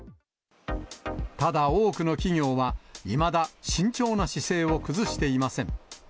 ただ、多くの企業は、いまだ慎重な姿勢を崩していません。